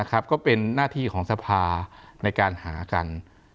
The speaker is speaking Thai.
ก็เป็นหน้าที่ของสภาในการหากัน